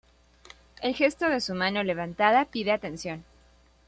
El gesto de su mano levantada pide atención.